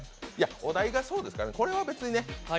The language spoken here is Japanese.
お題がそうですからね、これは別にね。